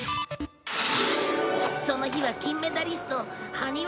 その日は金メダリスト埴輪